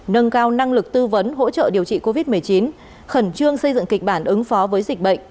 nâng cao năng lực tư vấn hỗ trợ điều trị covid một mươi chín khẩn trương xây dựng kịch bản ứng phó với dịch bệnh